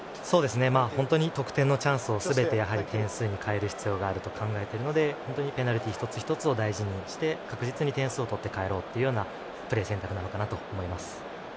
本当に得点のチャンスをすべて点数に変える必要があると考えているのでペナルティーの一つ一つを大事にして確実に点数を取って帰ろうというプレー選択なのかなと思います。